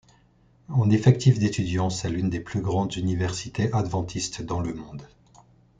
En effectif d'étudiants, c'est l'une des plus grandes universités adventistes dans le monde.